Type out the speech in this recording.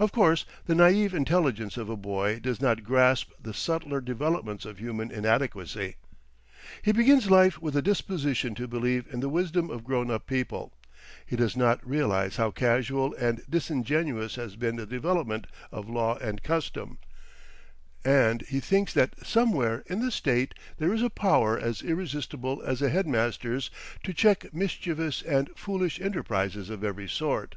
Of course the naïve intelligence of a boy does not grasp the subtler developments of human inadequacy. He begins life with a disposition to believe in the wisdom of grown up people, he does not realise how casual and disingenuous has been the development of law and custom, and he thinks that somewhere in the state there is a power as irresistible as a head master's to check mischievous and foolish enterprises of every sort.